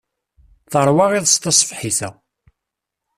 Teṛwa iḍes taṣebḥit-a.